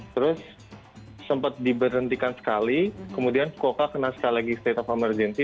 terus sempat diberhentikan sekali kemudian fuka kena sekali lagi state of emergency